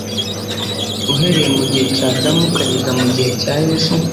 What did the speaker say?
Uhereye mu gihe cya Adamu ukageza mu gihe cya Yesu,